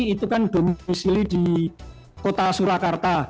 itu kan domisili di kota surakarta